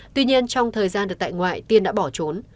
tuy nhiên trong thời gian được tại ngoại tiên đã bỏ trốn